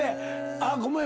あっごめん。